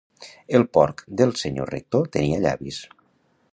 El porc del senyor rector tenia llavis.